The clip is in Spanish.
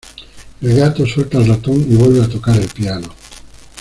El gato suelta al ratón y vuelve a tocar el piano.